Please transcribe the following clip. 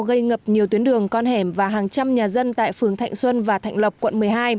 gây ngập nhiều tuyến đường con hẻm và hàng trăm nhà dân tại phường thạnh xuân và thạnh lộc quận một mươi hai